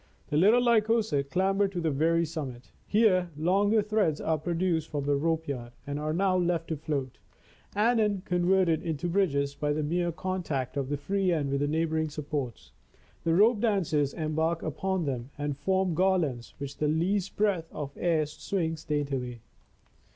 The little Lycosa clamber to the very summit. Here, longer threads are produced from the rope yard, and are now left to float, anon converted into bridges by the mere contact of the free end with the neighboring supports. The rope dancers embark upon them and form gar lands which the least breath of air swings daintily.